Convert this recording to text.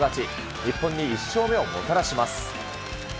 日本に１勝目をもたらします。